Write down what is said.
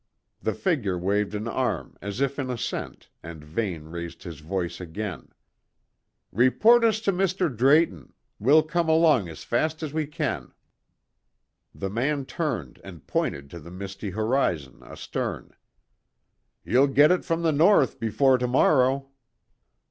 The figure waved an arm, as if in assent, and Vane raised his voice again. "Report us to Mr. Drayton. We'll come along as fast as we can." The man turned and pointed to the misty horizon, astern. "You'll get it from the north before to morrow."